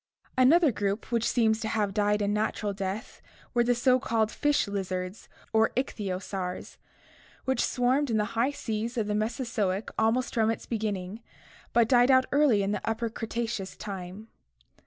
Another group which seems to have died a natural death were che so called "fish lizards" or ichthyosaurs (see Fig. 62) which swarmed in the high seas of the Mesozoic almost from its beginning, but died out early in Upper Cretaceous time.